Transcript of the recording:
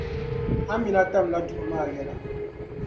Amina tamla duɣu maa yɛla.